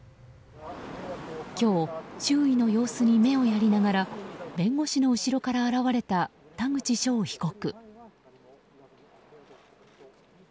今日周囲の様子に目をやりながら弁護士の後ろから現れた田口翔被告。